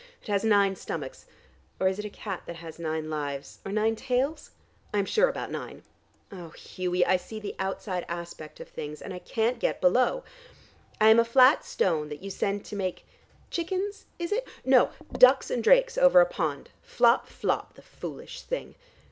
It has nine stomachs, or is it a cat that has nine lives, or nine tails? I am sure about nine. Oh, Hughie, I see the outside aspect of things, and I can't get below. I am a flat stone that you send to make chickens is it? no, ducks and drakes over a pond: flop, flop, the foolish thing.